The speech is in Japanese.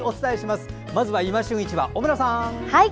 まずは「いま旬市場」、小村さん。